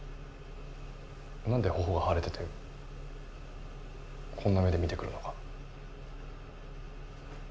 なんで頬が腫れててこんな目で見てくるのか。